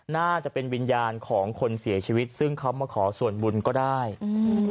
น่าจะเป็นวิญญาณของคนเสียชีวิตซึ่งเขามาขอส่วนบุญก็ได้อืม